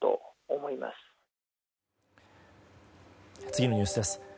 次のニュースです。